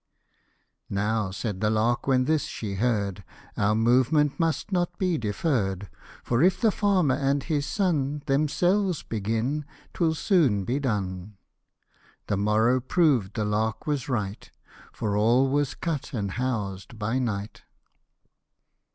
" Now," said the lark, when this she'd heard, tc Our movement must not be deferr'd ; For if the farmer and his son Themselves begin, 'twill soon be done." The morrow proved the lark was right ; For all was cut and housed by night.